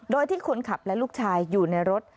โดยที่คนขับและลูกชายอยู่ในรถ